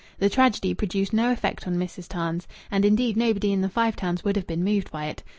The tragedy produced no effect on Mrs. Tams. And indeed nobody in the Five Towns would have been moved by it.